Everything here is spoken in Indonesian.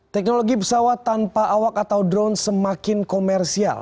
teknologi pesawat tanpa awak atau drone semakin komersial